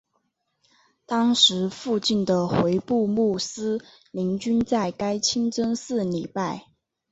当时附近的回部穆斯林均在该清真寺礼拜。